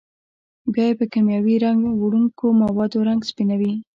بیا یې په کېمیاوي رنګ وړونکو موادو رنګ سپینوي.